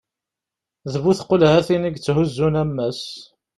d bu tqulhatin i yetthuzzun ammas